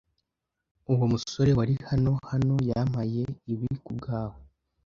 Uwo musore wari hano hano yampaye ibi kubwawe.